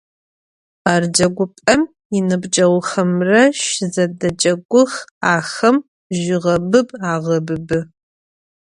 Ar cegup'em yinıbceğuxemre şızedecegux, axem jığebıb ağebıbı.